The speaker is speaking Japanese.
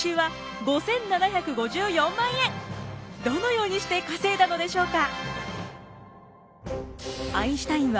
どのようにして稼いだのでしょうか？